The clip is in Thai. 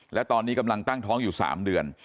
และตอนนี้กำลังตั้งท้องอยู่๓เดือน